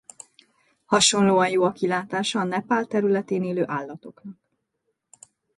Hasonlóan jó a kilátása a Nepál területén élő állatoknak.